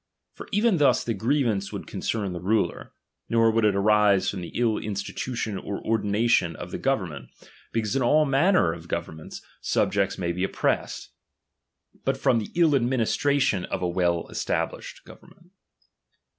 For even thus the grievance would concern the ruler ; nor would it arise from the ill institution or ordination of the government, because in all manner of governments DOMINION. 129 jnli^scts may be oppressed ; but from the ill admi cHAP.al nistration of a well established government.